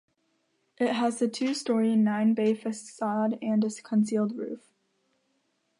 It has a two-storey, nine-bay facade and concealed roof.